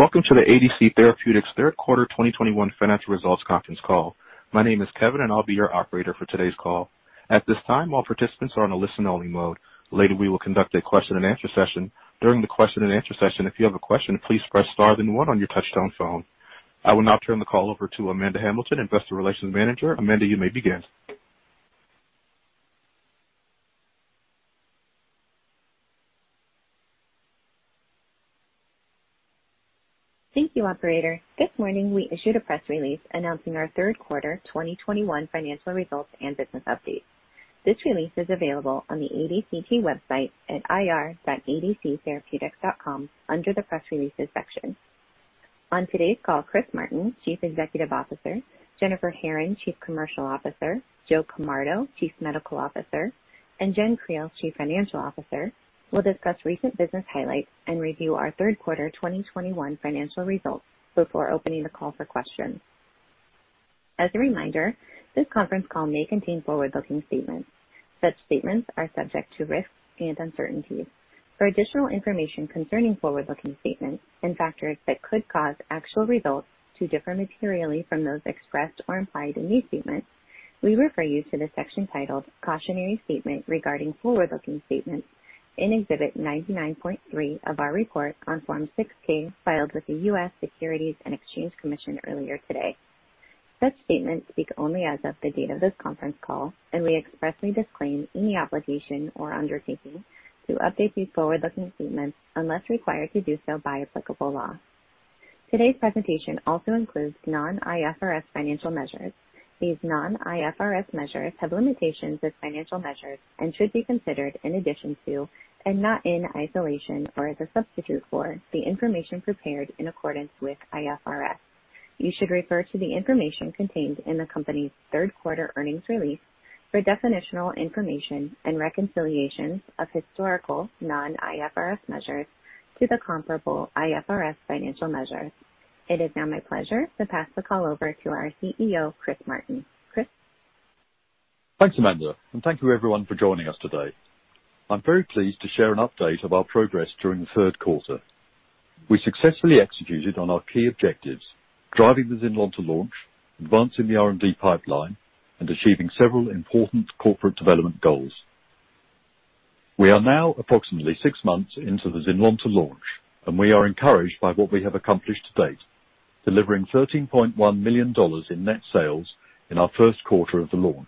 Welcome to the ADC Therapeutics third quarter 2021 financial results conference call. My name is Kevin and I'll be your operator for today's call. At this time, all participants are on a listen-only mode. Later, we will conduct a question-and-answer session. During the question-and-answer session, if you have a question, please press star then one on your touchtone phone. I will now turn the call over to Amanda Hamilton, Investor Relations Manager. Amanda, you may begin. Thank you, operator. This morning we issued a press release announcing our third quarter 2021 financial results and business update. This release is available on the ADCT website at ir.adctherapeutics.com under the Press Releases section. On today's call, Chris Martin, Chief Executive Officer, Jennifer Herron, Chief Commercial Officer, Joe Camardo, Chief Medical Officer, and Jen Creel, Chief Financial Officer, will discuss recent business highlights and review our third quarter 2021 financial results before opening the call for questions. As a reminder, this conference call may contain forward-looking statements. Such statements are subject to risks and uncertainties. For additional information concerning forward-looking statements and factors that could cause actual results to differ materially from those expressed or implied in these statements, we refer you to the section titled Cautionary Statement regarding Forward-Looking Statements in Exhibit 99.3 of our report on Form 6-K filed with the U.S. Securities and Exchange Commission earlier today. Such statements speak only as of the date of this conference call, and we expressly disclaim any obligation or undertaking to update these forward-looking statements unless required to do so by applicable law. Today's presentation also includes non-IFRS financial measures. These non-IFRS measures have limitations as financial measures and should be considered in addition to, and not in isolation or as a substitute for, the information prepared in accordance with IFRS. You should refer to the information contained in the company's third quarter earnings release for definitional information and reconciliations of historical non-IFRS measures to the comparable IFRS financial measures. It is now my pleasure to pass the call over to our CEO, Chris Martin. Chris. Thanks, Amanda, and thank you everyone for joining us today. I'm very pleased to share an update of our progress during the third quarter. We successfully executed on our key objectives, driving the ZYNLONTA launch, advancing the R&D pipeline, and achieving several important corporate development goals. We are now approximately six months into the ZYNLONTA launch, and we are encouraged by what we have accomplished to date, delivering $13.1 million in net sales in our first quarter of the launch.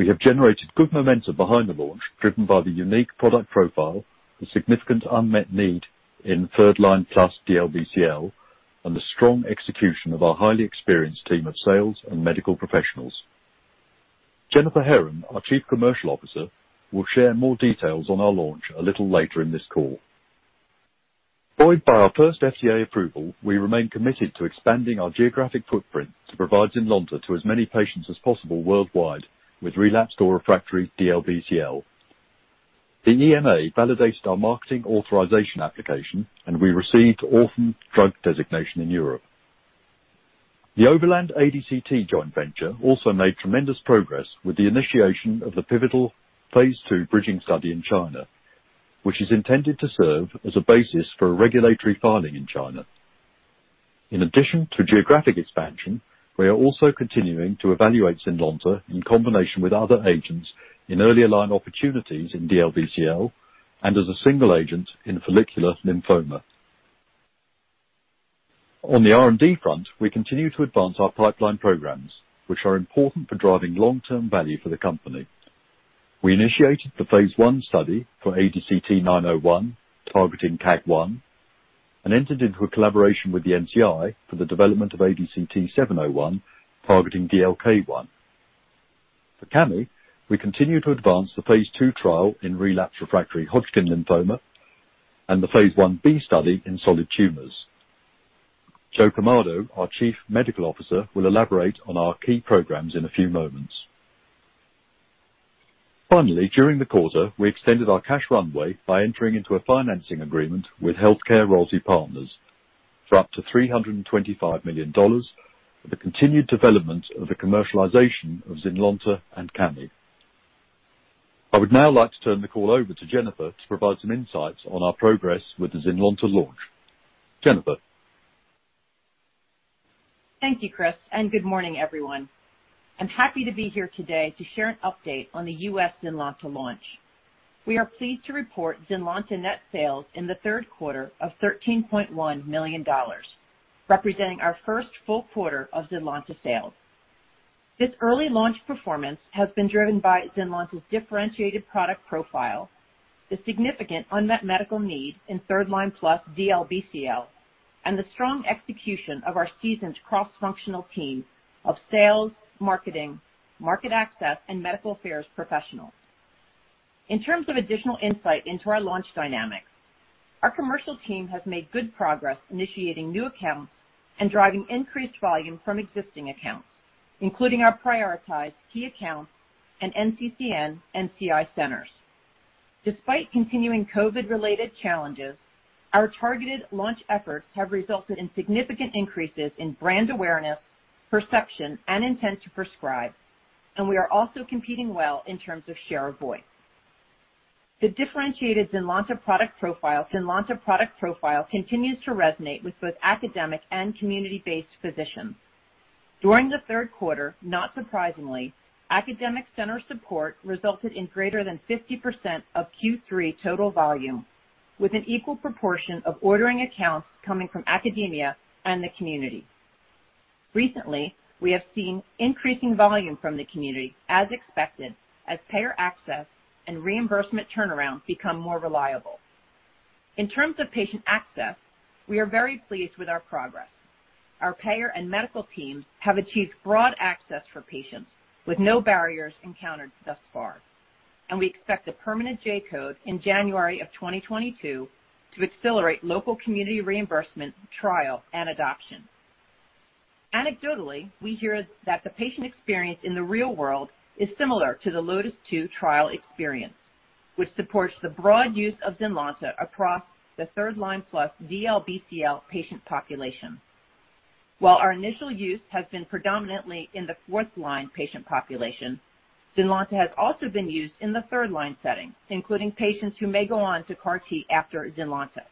We have generated good momentum behind the launch, driven by the unique product profile, the significant unmet need in third-line-plus DLBCL, and the strong execution of our highly experienced team of sales and medical professionals. Jennifer Herron, our Chief Commercial Officer, will share more details on our launch a little later in this call. Buoyed by our first FDA approval, we remain committed to expanding our geographic footprint to provide ZYNLONTA to as many patients as possible worldwide with relapsed or refractory DLBCL. The EMA validated our Marketing Authorization Application, and we received orphan drug designation in Europe. The Overland ADCT joint venture also made tremendous progress with the initiation of the pivotal phase II bridging study in China, which is intended to serve as a basis for a regulatory filing in China. In addition to geographic expansion, we are also continuing to evaluate ZYNLONTA in combination with other agents in earlier line opportunities in DLBCL and as a single agent in follicular lymphoma. On the R&D front, we continue to advance our pipeline programs, which are important for driving long-term value for the company. We initiated the phase I study for ADCT-901, targeting KAAG1, and entered into a collaboration with the NCI for the development of ADCT-701, targeting DLK1. For Cami, we continue to advance the phase II trial in relapsed refractory Hodgkin lymphoma and the phase I-B study in solid tumors. Joe Camardo, our Chief Medical Officer, will elaborate on our key programs in a few moments. Finally, during the quarter, we extended our cash runway by entering into a financing agreement with HealthCare Royalty Partners for up to $325 million for the continued development of the commercialization of ZYNLONTA and Cami. I would now like to turn the call over to Jennifer to provide some insights on our progress with the ZYNLONTA launch. Jennifer. Thank you, Chris, and good morning, everyone. I'm happy to be here today to share an update on the U.S. ZYNLONTA launch. We are pleased to report ZYNLONTA net sales in the third quarter of $13.1 million, representing our first full quarter of ZYNLONTA sales. This early launch performance has been driven by ZYNLONTA's differentiated product profile, the significant unmet medical need in third-line-plus DLBCL, and the strong execution of our seasoned cross-functional team of sales, marketing, market access, and medical affairs professionals. In terms of additional insight into our launch dynamics, our commercial team has made good progress initiating new accounts and driving increased volume from existing accounts, including our prioritized key accounts and NCCN NCI centers. Despite continuing COVID-related challenges, our targeted launch efforts have resulted in significant increases in brand awareness, perception, and intent to prescribe, and we are also competing well in terms of share of voice. The differentiated ZYNLONTA product profile continues to resonate with both academic and community-based physicians. During the third quarter, not surprisingly, academic center support resulted in greater than 50% of Q3 total volume with an equal proportion of ordering accounts coming from academia and the community. Recently, we have seen increasing volume from the community, as expected, as payer access and reimbursement turnaround become more reliable. In terms of patient access, we are very pleased with our progress. Our payer and medical teams have achieved broad access for patients with no barriers encountered thus far, and we expect a permanent J-code in January of 2022 to accelerate local community reimbursement, trial, and adoption. Anecdotally, we hear that the patient experience in the real world is similar to the LOTIS-2 trial experience, which supports the broad use of ZYNLONTA across the third line plus DLBCL patient population. While our initial use has been predominantly in the fourth line patient population, ZYNLONTA has also been used in the third line setting, including patients who may go on to CAR T after ZYNLONTA.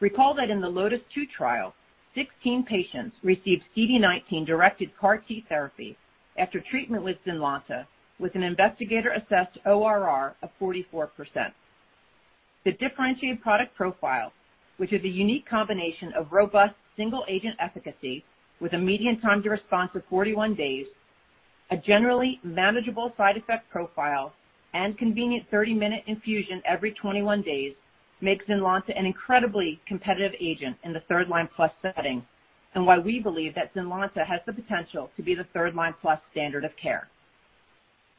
Recall that in the LOTIS-2 trial, 16 patients received CD19-directed CAR T therapy after treatment with ZYNLONTA, with an investigator-assessed ORR of 44%. The differentiated product profile, which is a unique combination of robust single-agent efficacy with a median time to response of 41 days, a generally manageable side effect profile, and convenient 30-minute infusion every 21 days, makes ZYNLONTA an incredibly competitive agent in the third line plus setting, and why we believe that ZYNLONTA has the potential to be the third line plus standard of care.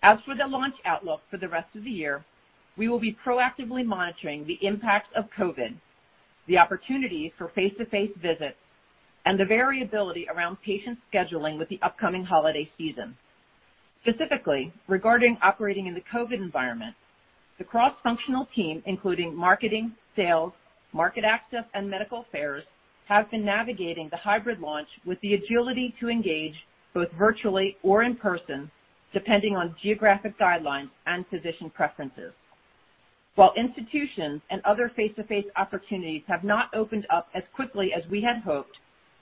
As for the launch outlook for the rest of the year, we will be proactively monitoring the impact of COVID, the opportunity for face-to-face visits, and the variability around patient scheduling with the upcoming holiday season. Specifically, regarding operating in the COVID environment, the cross-functional team, including marketing, sales, market access, and medical affairs, have been navigating the hybrid launch with the agility to engage both virtually or in person, depending on geographic guidelines and physician preferences. While institutions and other face-to-face opportunities have not opened up as quickly as we had hoped,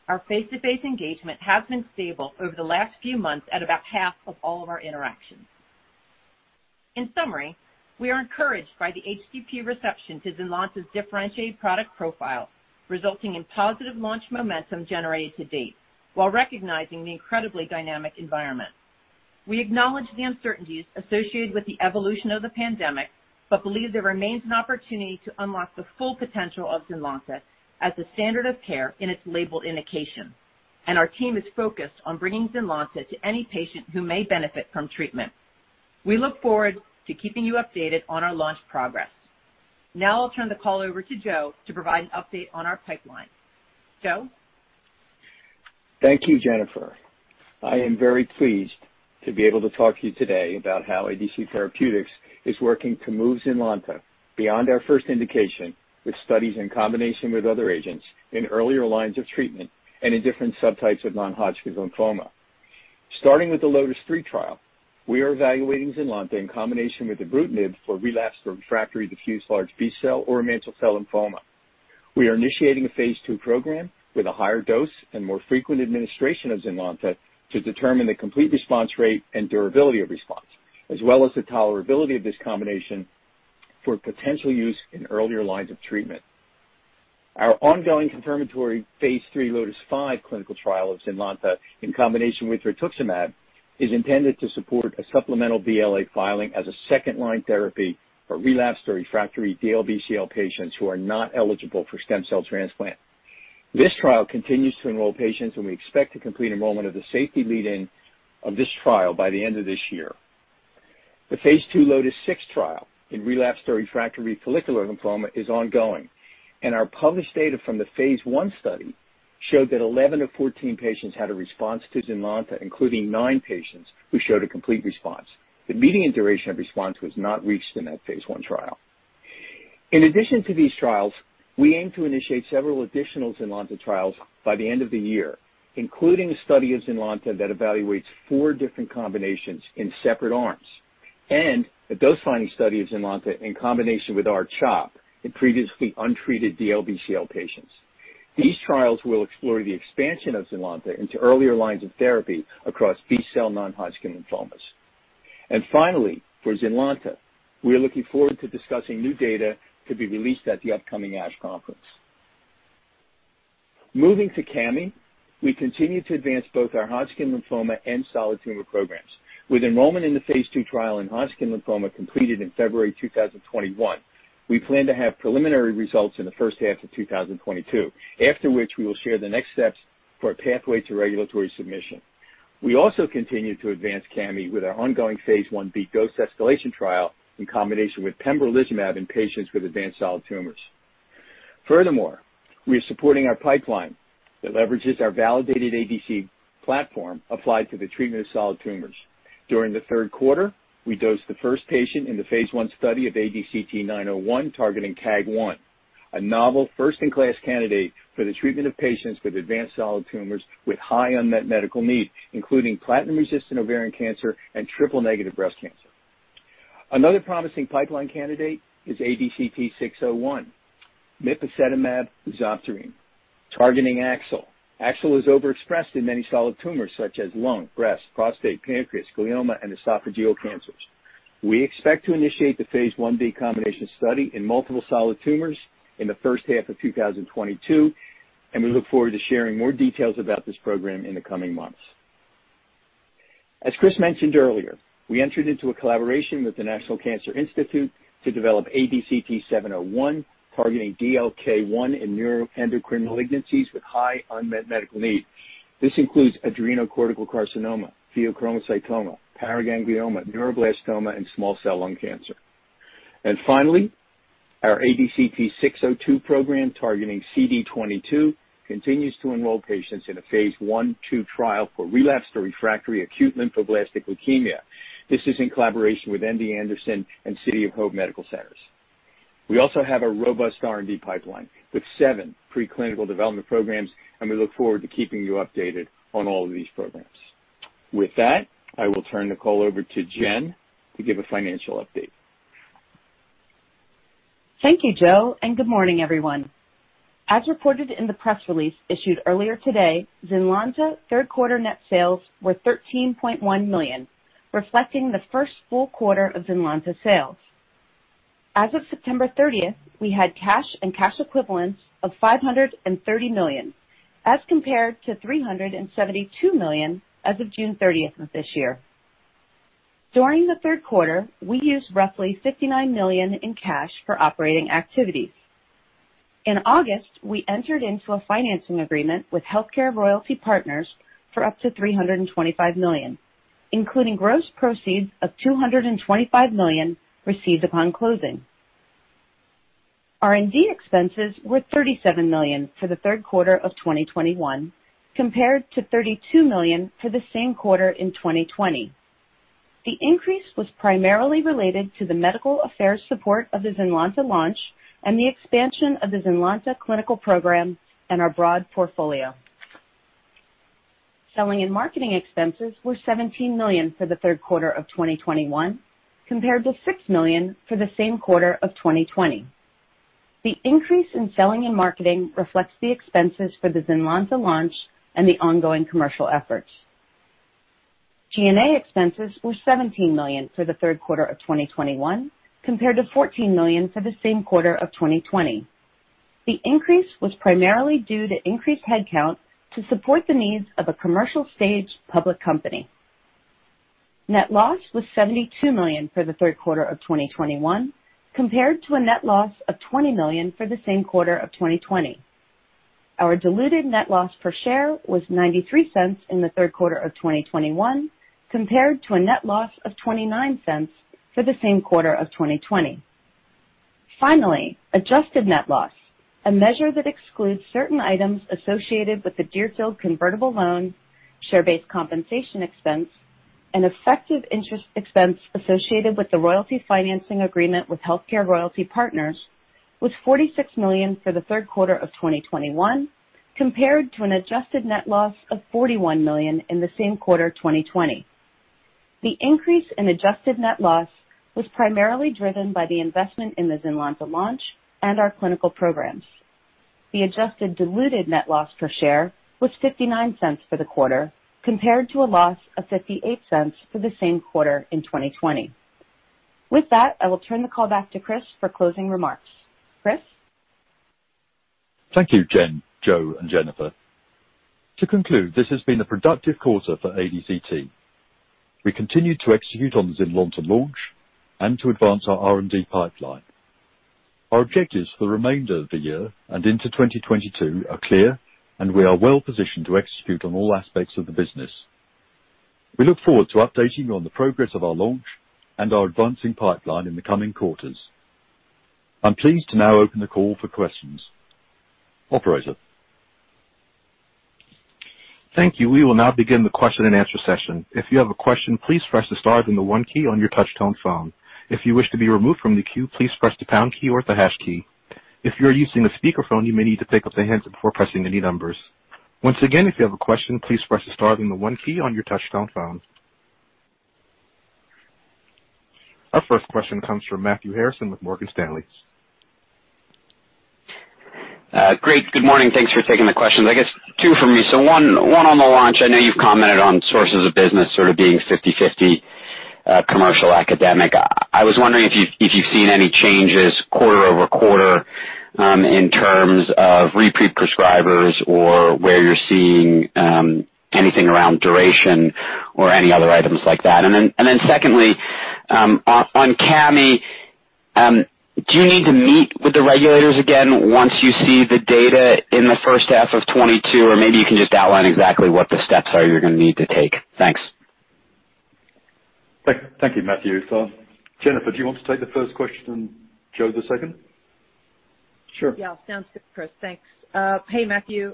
our face-to-face engagement has been stable over the last few months at about half of all of our interactions. In summary, we are encouraged by the HCP reception to ZYNLONTA's differentiated product profile, resulting in positive launch momentum generated to date while recognizing the incredibly dynamic environment. We acknowledge the uncertainties associated with the evolution of the pandemic, but believe there remains an opportunity to unlock the full potential of ZYNLONTA as the standard of care in its labeled indication. Our team is focused on bringing ZYNLONTA to any patient who may benefit from treatment. We look forward to keeping you updated on our launch progress. Now I'll turn the call over to Joe to provide an update on our pipeline. Joe? Thank you, Jennifer. I am very pleased to be able to talk to you today about how ADC Therapeutics is working to move ZYNLONTA beyond our first indication with studies in combination with other agents in earlier lines of treatment and in different subtypes of non-Hodgkin's lymphoma. Starting with the LOTIS-3 trial, we are evaluating ZYNLONTA in combination with ibrutinib for relapsed or refractory diffuse large B-cell or mantle cell lymphoma. We are initiating a phase II program with a higher dose and more frequent administration of ZYNLONTA to determine the complete response rate and durability of response, as well as the tolerability of this combination for potential use in earlier lines of treatment. Our ongoing confirmatory phase III LOTIS-5 clinical trial of ZYNLONTA in combination with rituximab is intended to support a supplemental BLA filing as a second-line therapy for relapsed or refractory DLBCL patients who are not eligible for stem cell transplant. This trial continues to enroll patients, and we expect to complete enrollment of the safety lead-in of this trial by the end of this year. The phase II LOTIS-6 trial in relapsed or refractory follicular lymphoma is ongoing, and our published data from the phase I study showed that 11 of 14 patients had a response to ZYNLONTA, including nine patients who showed a complete response. The median duration of response was not reached in that phase I trial. In addition to these trials, we aim to initiate several additional ZYNLONTA trials by the end of the year, including a study of ZYNLONTA that evaluates four different combinations in separate arms, and a dose-finding study of ZYNLONTA in combination with R-CHOP in previously untreated DLBCL patients. These trials will explore the expansion of ZYNLONTA into earlier lines of therapy across B-cell non-Hodgkin's lymphomas. Finally, for ZYNLONTA, we are looking forward to discussing new data to be released at the upcoming ASH conference. Moving to Cami, we continue to advance both our Hodgkin lymphoma and solid tumor programs. With enrollment in the phase II trial in Hodgkin lymphoma completed in February 2021, we plan to have preliminary results in the first half of 2022, after which we will share the next steps for a pathway to regulatory submission. We also continue to advance Cami with our ongoing phase I-B dose escalation trial in combination with pembrolizumab in patients with advanced solid tumors. Furthermore, we are supporting our pipeline that leverages our validated ADC platform applied to the treatment of solid tumors. During the third quarter, we dosed the first patient in the phase I study of ADCT-901 targeting KAAG1. A novel first-in-class candidate for the treatment of patients with advanced solid tumors with high unmet medical needs, including platinum-resistant ovarian cancer and triple-negative breast cancer. Another promising pipeline candidate is ADCT-601, mipasetamab uzoptirine, targeting AXL. AXL is overexpressed in many solid tumors such as lung, breast, prostate, pancreas, glioma, and esophageal cancers. We expect to initiate the phase I-B combination study in multiple solid tumors in the first half of 2022, and we look forward to sharing more details about this program in the coming months. As Chris mentioned earlier, we entered into a collaboration with the National Cancer Institute to develop ADCT-701, targeting DLK1 and neuroendocrine malignancies with high unmet medical needs. This includes adrenocortical carcinoma, pheochromocytoma, paraganglioma, neuroblastoma, and small cell lung cancer. Finally, our ADCT-602 program, targeting CD22, continues to enroll patients in a phase I/II trial for relapsed or refractory acute lymphoblastic leukemia. This is in collaboration with MD Anderson and City of Hope medical centers. We also have a robust R&D pipeline with seven pre-clinical development programs, and we look forward to keeping you updated on all of these programs. With that, I will turn the call over to Jenn to give a financial update. Thank you, Joe, and good morning, everyone. As reported in the press release issued earlier today, ZYNLONTA third quarter net sales were $13.1 million, reflecting the first full quarter of ZYNLONTA sales. As of September 30, we had cash and cash equivalents of $530 million, as compared to $372 million as of June 30 of this year. During the third quarter, we used roughly $59 million in cash for operating activities. In August, we entered into a financing agreement with HealthCare Royalty Partners for up to $325 million, including gross proceeds of $225 million received upon closing. R&D expenses were $37 million for the third quarter of 2021, compared to $32 million for the same quarter in 2020. The increase was primarily related to the medical affairs support of the ZYNLONTA launch and the expansion of the ZYNLONTA clinical program and our broad portfolio. Selling and marketing expenses were $17 million for the third quarter of 2021, compared to $6 million for the same quarter of 2020. The increase in selling and marketing reflects the expenses for the ZYNLONTA launch and the ongoing commercial efforts. G&A expenses were $17 million for the third quarter of 2021, compared to $14 million for the same quarter of 2020. The increase was primarily due to increased headcount to support the needs of a commercial-stage public company. Net loss was $72 million for the third quarter of 2021, compared to a net loss of $20 million for the same quarter of 2020. Our diluted net loss per share was $0.93 in the third quarter of 2021, compared to a net loss of $0.29 for the same quarter of 2020. Finally, adjusted net loss, a measure that excludes certain items associated with the Deerfield convertible loan, share-based compensation expense, and effective interest expense associated with the royalty financing agreement with Healthcare Royalty Partners, was $46 million for the third quarter of 2021, compared to an adjusted net loss of $41 million in the same quarter 2020. The increase in adjusted net loss was primarily driven by the investment in the ZYNLONTA launch and our clinical programs. The adjusted diluted net loss per share was $0.59 for the quarter, compared to a loss of $0.58 for the same quarter in 2020. With that, I will turn the call back to Chris for closing remarks. Chris? Thank you, Jenn, Joe, and Jennifer. To conclude, this has been a productive quarter for ADCT. We continue to execute on the ZYNLONTA launch and to advance our R&D pipeline. Our objectives for the remainder of the year and into 2022 are clear, and we are well positioned to execute on all aspects of the business. We look forward to updating you on the progress of our launch and our advancing pipeline in the coming quarters. I'm pleased to now open the call for questions. Operator? Thank you. We will now begin the question-and-answer session. If you have a question, please press the star then the one key on your touch-tone phone. If you wish to be removed from the queue, please press the pound key or the hash key. If you are using a speakerphone, you may need to pick up the handset before pressing any numbers. Once again, if you have a question, please press star then the one key on your touch-tone phone. Our first question comes from Matthew Harrison with Morgan Stanley. Great. Good morning. Thanks for taking the questions. I guess two for me. One on the launch. I know you've commented on sources of business sort of being 50/50, commercial, academic. I was wondering if you've seen any changes quarter-over-quarter in terms of repeat prescribers or where you're seeing anything around duration or any other items like that. Secondly, on Cami, do you need to meet with the regulators again once you see the data in the first half of 2022? Or maybe you can just outline exactly what the steps are you're gonna need to take. Thanks. Thank you, Matthew. Jennifer, do you want to take the first question and Joe, the second? Sure. Yeah. Sounds good, Chris. Thanks. Hey, Matthew,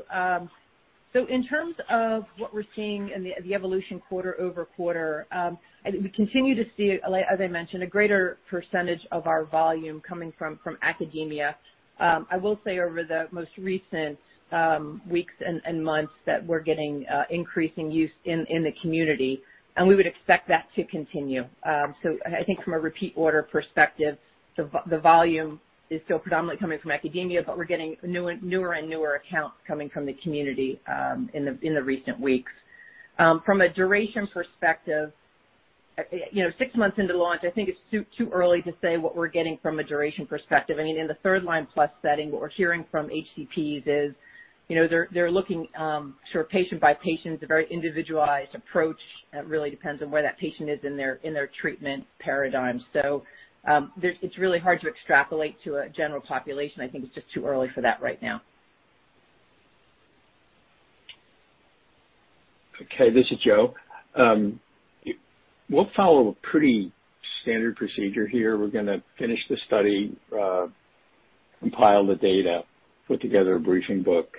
In terms of what we're seeing in the evolution quarter-over-quarter, I think we continue to see, like as I mentioned, a greater percentage of our volume coming from academia. I will say over the most recent weeks and months that we're getting increasing use in the community, and we would expect that to continue. I think from a repeat order perspective, the volume is still predominantly coming from academia, but we're getting newer and newer accounts coming from the community in the recent weeks. From a duration perspective, you know, six months into launch, I think it's too early to say what we're getting from a duration perspective. I mean, in the third line plus setting, what we're hearing from HCPs is, you know, they're looking sort of patient by patient. It's a very individualized approach. It really depends on where that patient is in their treatment paradigm. It's really hard to extrapolate to a general population. I think it's just too early for that right now. Okay, this is Joe. We'll follow a pretty standard procedure here. We're gonna finish the study, compile the data, put together a briefing book,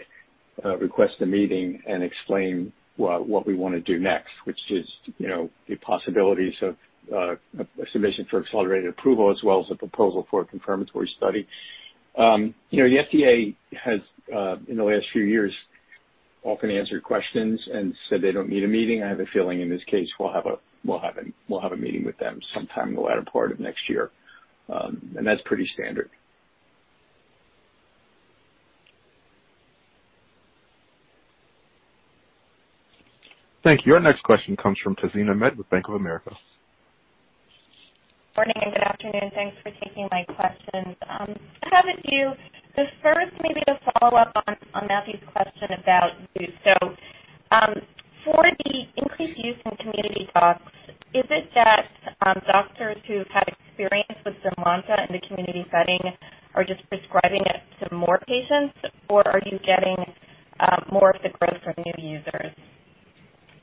request a meeting and explain what we wanna do next, which is, you know, the possibilities of a submission for accelerated approval, as well as the proposal for a confirmatory study. You know, the FDA has in the last few years often answered questions and said they don't need a meeting. I have a feeling in this case we'll have a meeting with them sometime in the latter part of next year. That's pretty standard. Thank you. Our next question comes from Tazeen Ahmad with Bank of America. Morning and good afternoon. Thanks for taking my questions. I have the first maybe to follow up on Matthew's question about use. For the increased use in community docs, is it that doctors who've had experience with ZYNLONTA in the community setting are just prescribing it to more patients, or are you getting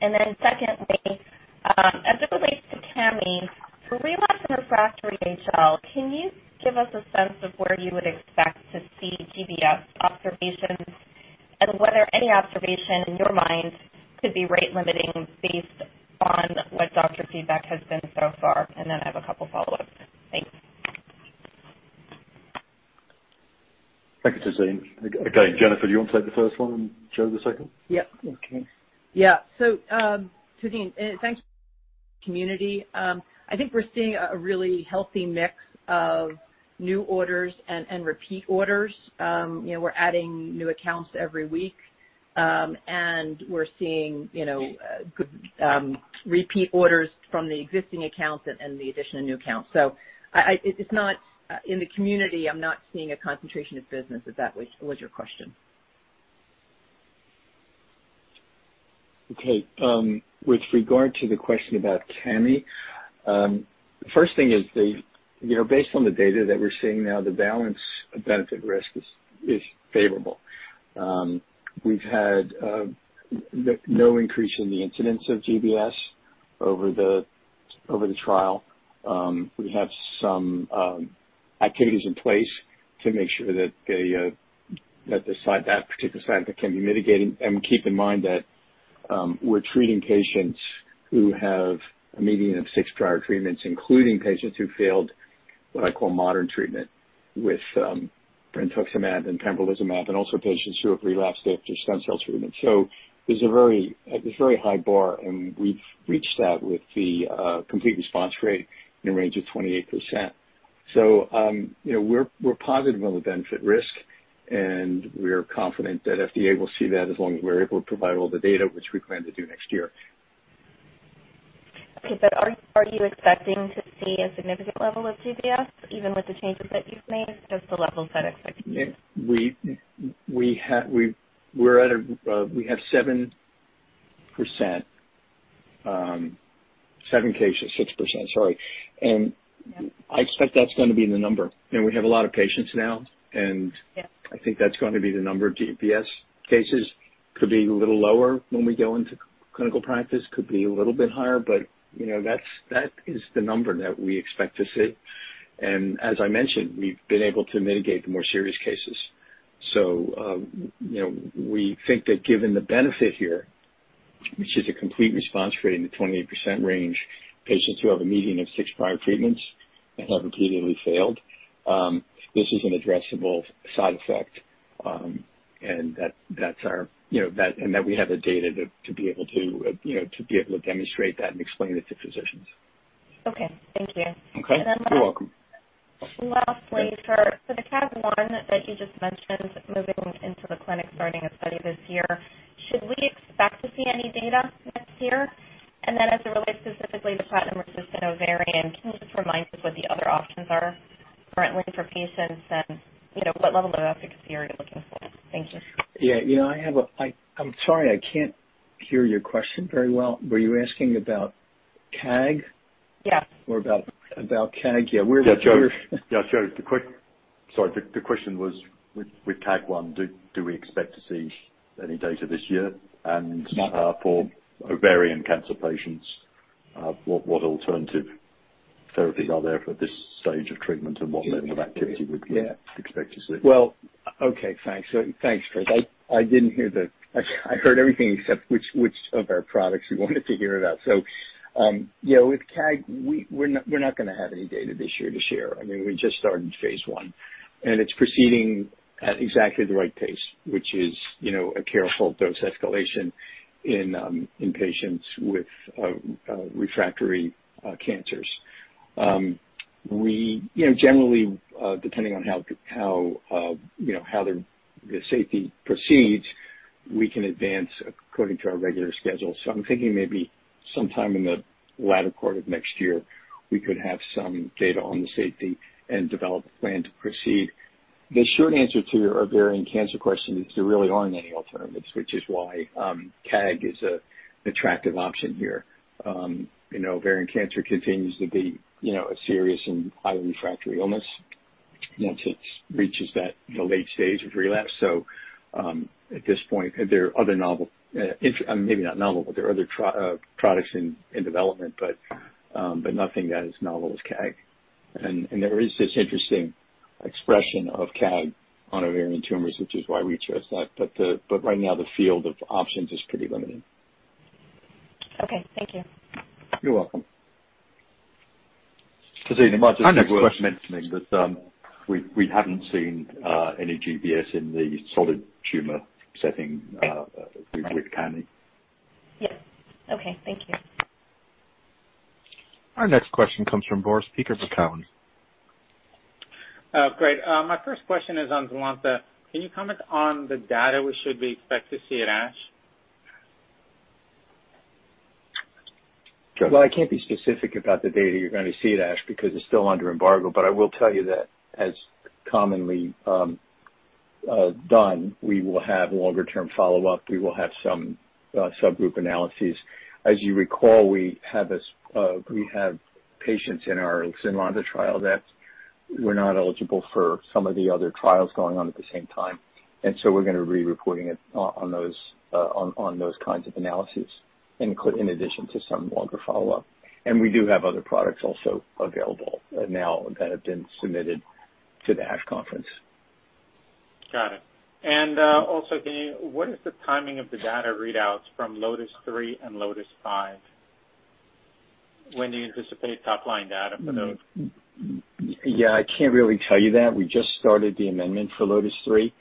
more of the growth from new users? Secondly, as it relates to Cami, for relapse and refractory HL, can you give us a sense of where you would expect to see GBS observations and whether any observation in your mind could be rate limiting based on what doctor feedback has been so far? I have a couple follow-ups. Thanks. Thank you, Tazeen. Again, Jennifer, do you want to take the first one and Joe the second? Tazeen, thanks for the question. I think we're seeing a really healthy mix of new orders and repeat orders. You know, we're adding new accounts every week. And we're seeing, you know, good repeat orders from the existing accounts and the addition of new accounts. It's not in the community. I'm not seeing a concentration of business, if that was your question. Okay. With regard to the question about Cami, first thing is the, you know, based on the data that we're seeing now, the balance benefit risk is favorable. We've had no increase in the incidence of GBS over the trial. We have some activities in place to make sure that particular side effect can be mitigated. Keep in mind that we're treating patients who have a median of six prior treatments, including patients who failed what I call modern treatment with Brentuximab and pembrolizumab, and also patients who have relapsed after stem cell transplant. There's a very high bar, and we've reached that with the complete response rate in a range of 28%. You know, we're positive on the benefit risk, and we're confident that FDA will see that as long as we're able to provide all the data which we plan to do next year. Okay. Are you expecting to see a significant level of GBS, even with the changes that you've made, just the levels that are expected? Yeah. We're at a, we have 7%, seven cases, 6%, sorry. Yeah. I expect that's gonna be the number. You know, we have a lot of patients now, and Yeah. I think that's gonna be the number of GBS cases. Could be a little lower when we go into clinical practice, could be a little bit higher, but you know, that is the number that we expect to see. As I mentioned, we've been able to mitigate the more serious cases. You know, we think that given the benefit here, which is a complete response rate in the 28% range, patients who have a median of six prior treatments and have repeatedly failed, this is an addressable side effect. That we have the data to be able to demonstrate that and explain it to physicians. Okay. Thank you. Okay. You're welcome. Then lastly, for the KAAG one that you just mentioned, moving into the clinic, starting a study this year, should we expect to see any data next year? As it relates specifically to platinum-resistant ovarian, can you just remind us what the other options are currently for patients? You know, what level of efficacy are you looking for? Thank you. Yeah. You know, I'm sorry I can't hear your question very well. Were you asking about CAG? Yeah. About CAG? Yeah, we're Yeah. Joe, the question was with KAAG1, do we expect to see any data this year? For ovarian cancer patients, what alternative- therapies are there for this stage of treatment and what level of activity would you expect to see? Okay, thanks. Thanks, Chris. I heard everything except which of our products you wanted to hear about. You know, with CAG, we're not gonna have any data this year to share. I mean, we just started phase I, and it's proceeding at exactly the right pace, which is, you know, a careful dose escalation in patients with refractory cancers. You know, generally, depending on how the safety proceeds, we can advance according to our regular schedule. I'm thinking maybe sometime in the latter quarter of next year, we could have some data on the safety and develop a plan to proceed. The short answer to your ovarian cancer question is there really aren't any alternatives, which is why KAAG1 is an attractive option here. You know, ovarian cancer continues to be, you know, a serious and highly refractory illness once it reaches that, you know, late stage of relapse. At this point, there are other novel, maybe not novel, but there are other products in development, but nothing that is as novel as KAAG1. There is this interesting expression of KAAG1 on ovarian tumors, which is why we chose that. Right now the field of options is pretty limiting. Okay, thank you. You're welcome. Chris Martin, it might be worth mentioning that we haven't seen any GBS in the solid tumor setting with CAG. Yes. Okay, thank you. Our next question comes from Boris Peaker for Cowen. Great. My first question is on ZYNLONTA. Can you comment on the data we should expect to see at ASH? Well, I can't be specific about the data you're gonna see at ASH because it's still under embargo. I will tell you that as commonly done, we will have longer-term follow-up. We will have some subgroup analyses. As you recall, we have patients in our ZYNLONTA trial that were not eligible for some of the other trials going on at the same time. We're gonna be reporting it on those kinds of analyses in addition to some longer follow-up. We do have other products also available now that have been submitted to the ASH conference. Got it. Also, what is the timing of the data readouts from LOTIS-3 and LOTIS-5? When do you anticipate top-line data for those? Yeah, I can't really tell you that. We just started the amendment for LOTIS-3.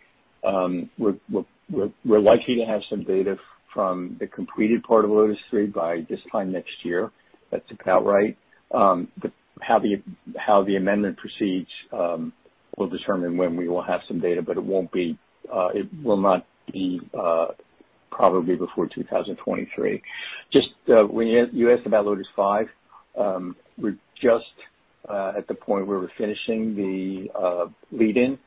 We're likely to have some data from the completed part of LOTIS-3 by this time next year. That's about right. How the amendment proceeds will determine when we will have some data, but it will not be probably before 2023. Just when you asked about LOTIS-5. We're just at the point where we're finishing the lead-in.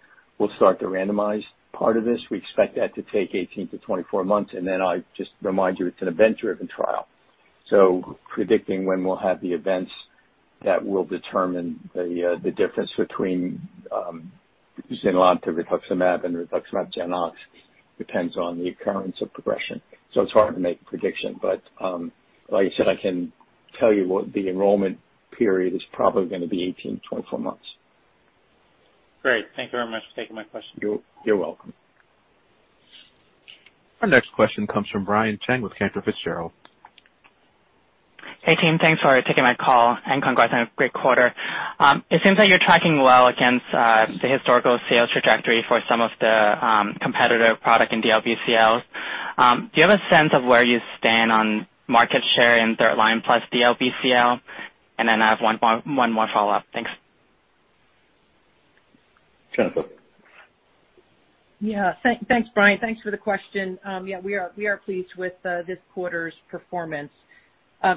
We'll start the randomized part of this. We expect that to take 18-24 months. Then I just remind you, it's an event-driven trial. Predicting when we'll have the events that will determine the difference between ZYNLONTA rituximab and rituximab GemOx depends on the occurrence of progression. It's hard to make a prediction, but like I said, I can tell you what the enrollment period is probably gonna be 18-24 months. Great. Thank you very much for taking my question. You're welcome. Our next question comes from Brian Cheng with Cantor Fitzgerald. Hey, team. Thanks for taking my call and congrats on a great quarter. It seems that you're tracking well against the historical sales trajectory for some of the competitive product in DLBCL. Do you have a sense of where you stand on market share in third line plus DLBCL? I have one more follow-up. Thanks. Jennifer. Yeah. Thanks, Brian. Thanks for the question. Yeah, we are pleased with this quarter's performance.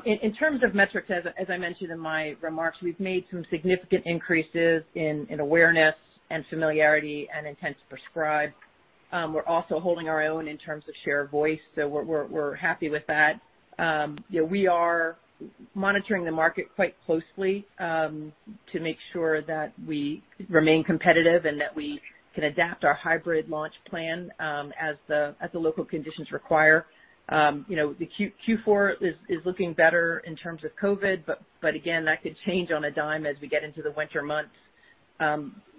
In terms of metrics, as I mentioned in my remarks, we've made some significant increases in awareness and familiarity and intent to prescribe. We're also holding our own in terms of share of voice, so we're happy with that. You know, we are monitoring the market quite closely to make sure that we remain competitive and that we can adapt our hybrid launch plan as the local conditions require. You know, the Q4 is looking better in terms of COVID, but again, that could change on a dime as we get into the winter months.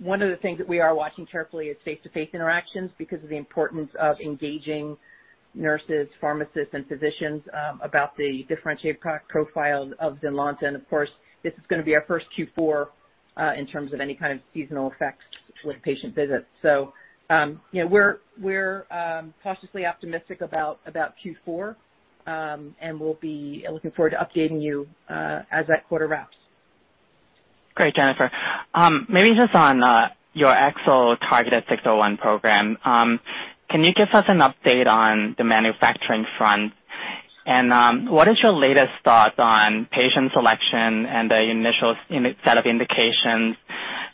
One of the things that we are watching carefully is face-to-face interactions because of the importance of engaging nurses, pharmacists, and physicians about the differentiated product profile of ZYNLONTA. Of course, this is gonna be our first Q4 in terms of any kind of seasonal effects with patient visits. You know, we're cautiously optimistic about Q4, and we'll be looking forward to updating you as that quarter wraps. Great, Jennifer. Maybe just on your AXL-targeted 601 program. Can you give us an update on the manufacturing front? What is your latest thoughts on patient selection and the initial set of indications?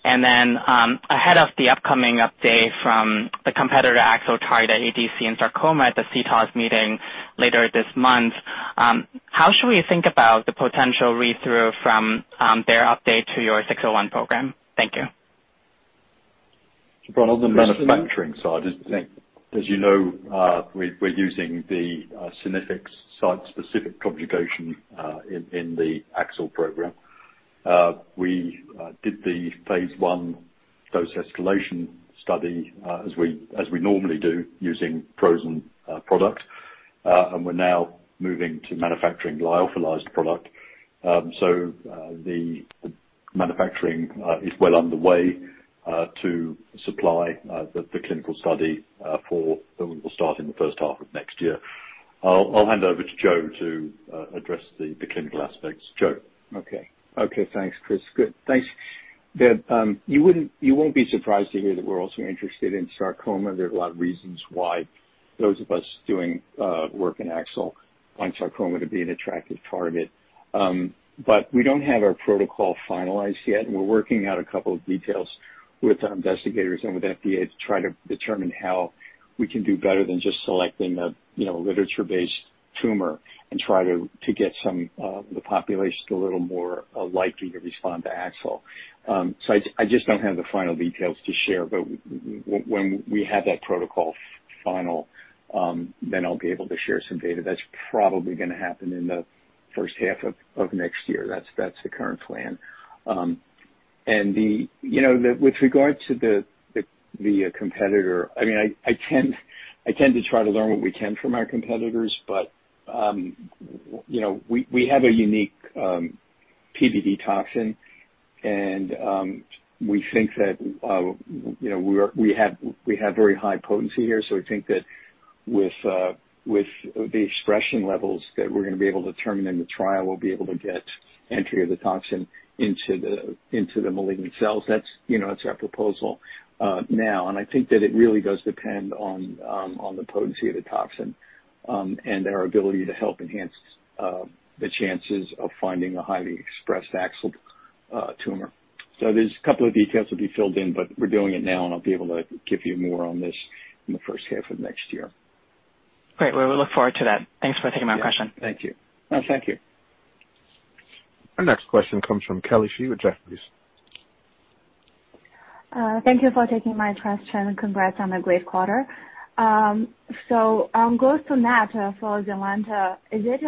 Ahead of the upcoming update from the competitor AXL-targeted ADC in sarcoma at the CTOS meeting later this month, how should we think about the potential read-through from their update to your 601 program? Thank you. On the manufacturing side, as you know, we're using the SMAC-Technology site-specific conjugation in the AXL program. We did the phase I dose escalation study, as we normally do using frozen product. We're now moving to manufacturing lyophilized product. The manufacturing is well underway to supply the clinical study that we will start in the first half of next year. I'll hand over to Joe to address the clinical aspects. Joe. Okay, thanks, Chris. Thanks. You won't be surprised to hear that we're also interested in sarcoma. There are a lot of reasons why those of us doing work in AXL find sarcoma to be an attractive target. We don't have our protocol finalized yet, and we're working out a couple of details with our investigators and with FDA to try to determine how we can do better than just selecting a, you know, literature-based tumor and try to get some of the population a little more likely to respond to AXL. I just don't have the final details to share. When we have that protocol final, then I'll be able to share some data. That's probably gonna happen in the first half of next year. That's the current plan. You know, with regard to the competitor, I mean, I tend to try to learn what we can from our competitors, but we, you know, we have a unique PBD toxin and we think that, you know, we have very high potency here. So we think that with the expression levels that we're gonna be able to determine in the trial, we'll be able to get entry of the toxin into the malignant cells. That's our proposal now. I think that it really does depend on the potency of the toxin and our ability to help enhance the chances of finding a highly expressed AXL tumor. There's a couple of details to be filled in, but we're doing it now, and I'll be able to give you more on this in the first half of next year. Great. Well, we look forward to that. Thanks for taking my question. Yes. Thank you. No, thank you. Our next question comes from Kelly Shi with Jefferies. Thank you for taking my question, and congrats on a great quarter. Gross to net for ZYNLONTA, is it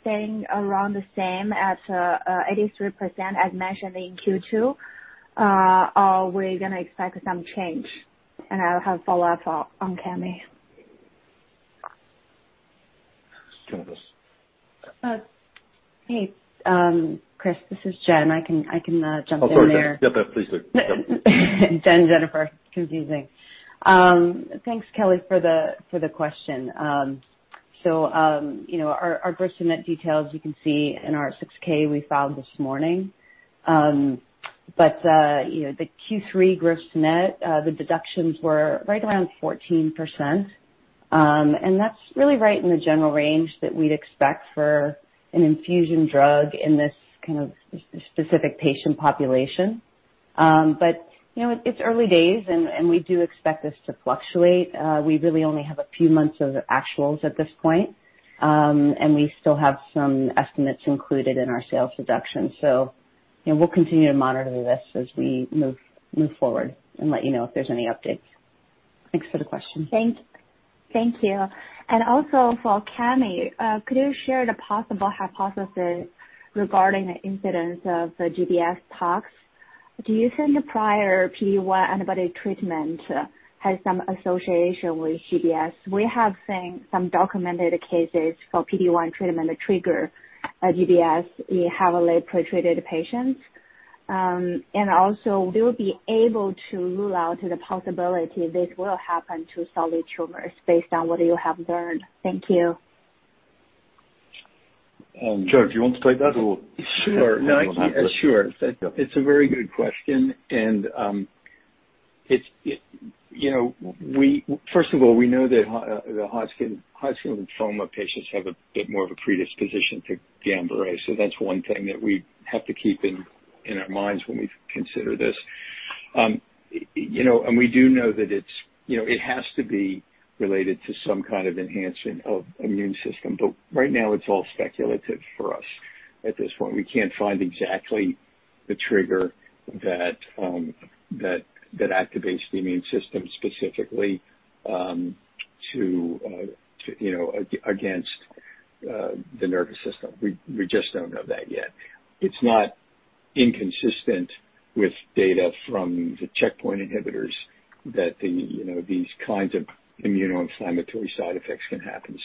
staying around the same as 83% as mentioned in Q2, or we're gonna expect some change? I'll have a follow-up on Cami. Let's do this. Hey, Chris, this is Jenn. I can jump in there. Oh, sorry. Yep. Please do. Yep. Thanks, Kelly, for the question. You know, our gross-to-net details, you can see in our 6-K we filed this morning. You know, the Q3 gross-to-net deductions were right around 14%. That's really right in the general range that we'd expect for an infusion drug in this kind of specific patient population. You know, it's early days and we do expect this to fluctuate. We really only have a few months of actuals at this point. We still have some estimates included in our sales deductions. You know, we'll continue to monitor this as we move forward and let you know if there's any updates. Thanks for the question. Thank you. Also for Cami, could you share the possible hypothesis regarding the incidence of GBS tox? Do you think the prior PD1 antibody treatment has some association with GBS? We have seen some documented cases for PD1 treatment trigger GBS in heavily pre-treated patients. Also we'll be able to rule out the possibility this will happen to solid tumors based on what you have learned. Thank you. Joe, do you want to take that? Sure. No, I can. Sure. It's a very good question, and it's. You know, we first of all know that the Hodgkin lymphoma patients have a bit more of a predisposition to Guillain-Barré. That's one thing that we have to keep in our minds when we consider this. You know, and we do know that it's, you know, it has to be related to some kind of enhancing of immune system. Right now, it's all speculative for us at this point. We can't find exactly the trigger that that activates the immune system specifically to, you know, against the nervous system. We just don't know that yet. It's not inconsistent with data from the checkpoint inhibitors that these kinds of immuno-inflammatory side effects can happen.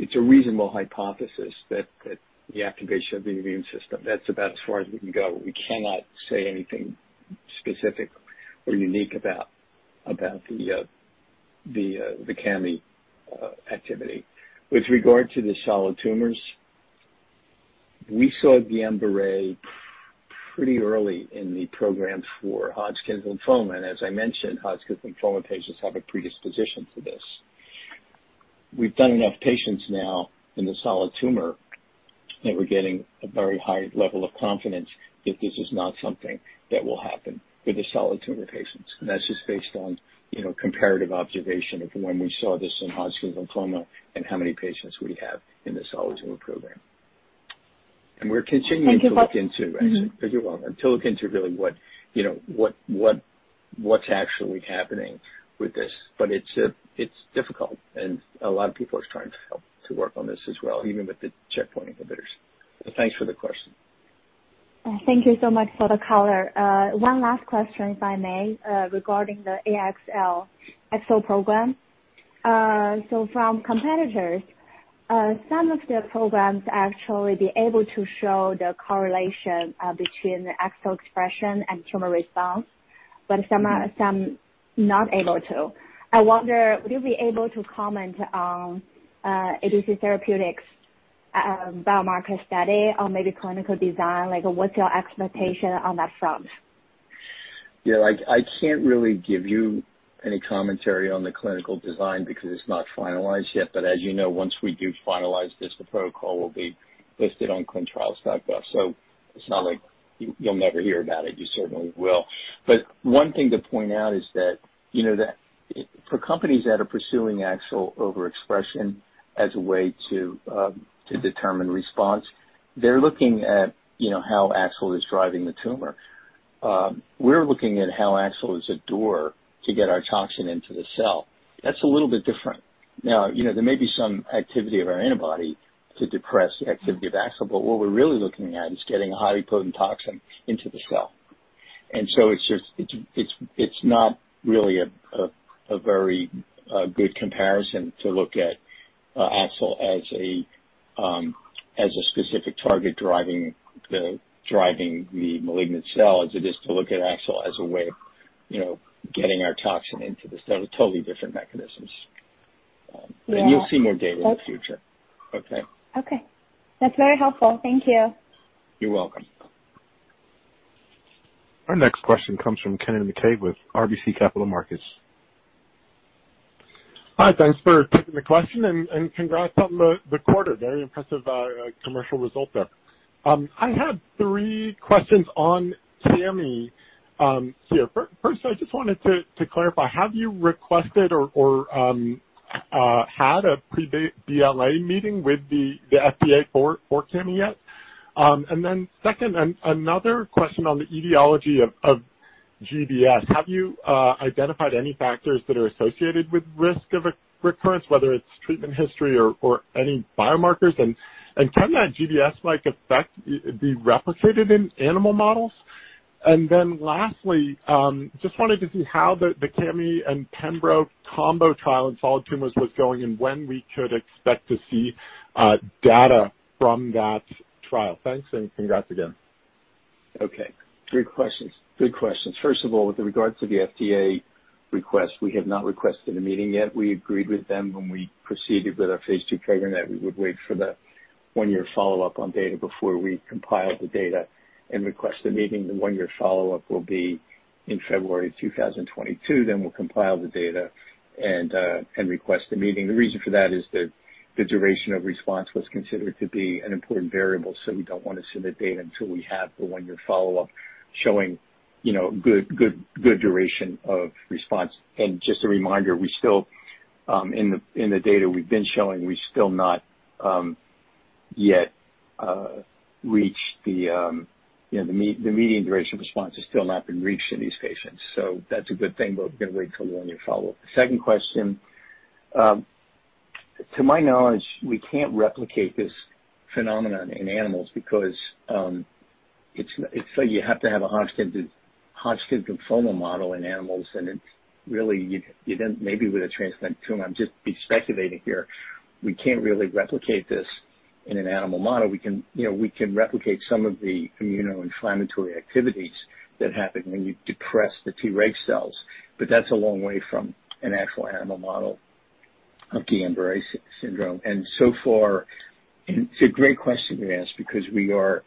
It's a reasonable hypothesis that the activation of the immune system. That's about as far as we can go. We cannot say anything specific or unique about the Cami activity. With regard to the solid tumors, we saw Guillain-Barré pretty early in the program for Hodgkin's lymphoma, and as I mentioned, Hodgkin's lymphoma patients have a predisposition to this. We've done enough patients now in the solid tumor that we're getting a very high level of confidence if this is not something that will happen with the solid tumor patients. That's just based on, you know, comparative observation of when we saw this in Hodgkin lymphoma and how many patients we have in the solid tumor program. We're continuing to- Thank you. You're welcome. To look into really what, you know, what's actually happening with this. It's difficult, and a lot of people are trying to help to work on this as well, even with the checkpoint inhibitors. Thanks for the question. Thank you so much for the color. One last question if I may, regarding the AXL program. From competitors, some of their programs actually be able to show the correlation between the AXL expression and tumor response, but some are not able to. I wonder, would you be able to comment on ADC Therapeutics biomarker study or maybe clinical design, like what's your expectation on that front? Yeah, I can't really give you any commentary on the clinical design because it's not finalized yet. As you know, once we do finalize this, the protocol will be listed on clinicaltrials.gov. It's not like you'll never hear about it, you certainly will. One thing to point out is that, you know, that for companies that are pursuing AXL overexpression as a way to determine response, they're looking at, you know, how AXL is driving the tumor. We're looking at how AXL is a door to get our toxin into the cell. That's a little bit different. Now, you know, there may be some activity of our antibody to depress the activity of AXL, but what we're really looking at is getting a highly potent toxin into the cell. It's not really a very good comparison to look at AXL as a specific target driving the malignant cell as it is to look at AXL as a way of, you know, getting our toxin into this. They're totally different mechanisms. Yeah. You'll see more data in the future. Okay. Okay. That's very helpful. Thank you. You're welcome. Our next question comes from Kennen MacKay with RBC Capital Markets. Hi. Thanks for taking the question and congrats on the quarter. Very impressive commercial result there. I had three questions on Cami here. Firstly, I just wanted to clarify, have you requested or had a pre-BLA meeting with the FDA for Cami yet? Then second, another question on the etiology of GBS. Have you identified any factors that are associated with risk of a recurrence, whether it's treatment history or any biomarkers? Can that GBS-like effect be replicated in animal models? Then lastly, just wanted to see how the Cami and pembro combo trial in solid tumors was going and when we could expect to see data from that trial. Thanks, and congrats again. Okay. Good questions. First of all, with regards to the FDA request, we have not requested a meeting yet. We agreed with them when we proceeded with our phase II trigger that we would wait for the one-year follow-up on data before we compile the data and request a meeting. The one-year follow-up will be in February 2022, then we'll compile the data and request a meeting. The reason for that is that the duration of response was considered to be an important variable, so we don't wanna submit data until we have the one-year follow-up showing, you know, good duration of response. Just a reminder, we still in the data we've been showing have still not yet reached you know the median duration of response has still not been reached in these patients. That's a good thing, but we're gonna wait till the one-year follow-up. The second question. To my knowledge, we can't replicate this phenomenon in animals because it's like you have to have a Hodgkin lymphoma model in animals, and it's really you don't. Maybe with a transplant tumor, I'm just speculating here. We can't really replicate this in an animal model. We can you know we can replicate some of the immunoinflammatory activities that happen when you depress the Treg cells, but that's a long way from an actual animal model of Guillain-Barré syndrome. So far, it's a great question you asked because we are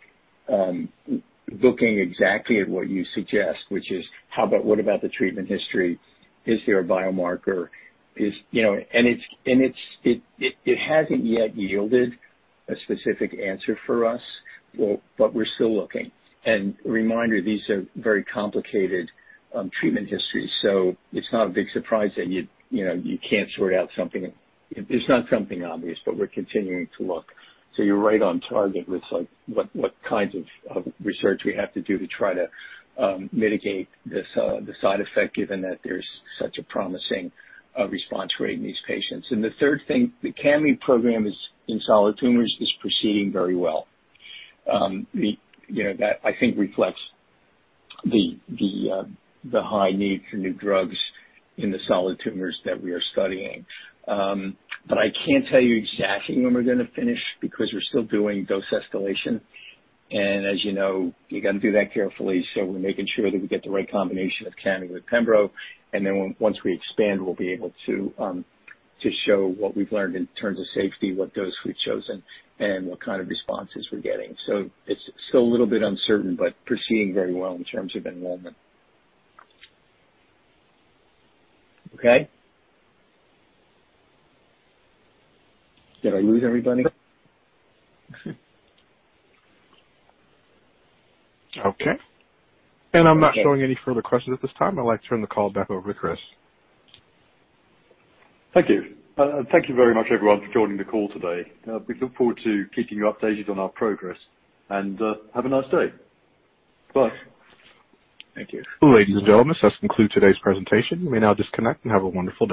looking exactly at what you suggest, which is how about, what about the treatment history? Is there a biomarker? You know, it's hasn't yet yielded a specific answer for us, well, but we're still looking. A reminder, these are very complicated treatment histories, so it's not a big surprise that you know, you can't sort out something. It's not something obvious, but we're continuing to look. You're right on target with, like, what kinds of research we have to do to try to mitigate this, the side effect given that there's such a promising response rate in these patients. The third thing, the Cami program in solid tumors is proceeding very well. You know, that I think reflects the high need for new drugs in the solid tumors that we are studying. I can't tell you exactly when we're gonna finish because we're still doing dose escalation. As you know, you gotta do that carefully, so we're making sure that we get the right combination of Cami with pembro. Once we expand, we'll be able to to show what we've learned in terms of safety, what dose we've chosen, and what kind of responses we're getting. It's still a little bit uncertain, but proceeding very well in terms of enrollment. Okay? Did I lose everybody? Okay. I'm not showing any further questions at this time. I'd like to turn the call back over to Chris. Thank you. Thank you very much everyone for joining the call today. We look forward to keeping you updated on our progress and have a nice day. Bye. Thank you. Ladies and gentlemen, this does conclude today's presentation. You may now disconnect and have a wonderful day.